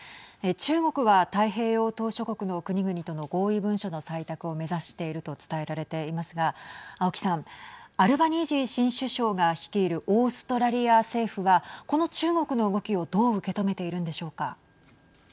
中国は太平洋島しょ国の国々との合意文書の採択を目指していると伝えられていますが青木さんアルバニージー新首相が率いるオーストラリア政府はこの中国の動きを、どう受け止めているんでしょうか。